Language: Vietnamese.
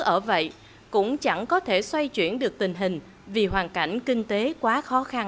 ở vậy cũng chẳng có thể xoay chuyển được tình hình vì hoàn cảnh kinh tế quá khó khăn